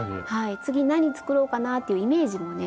次何作ろうかなっていうイメージもね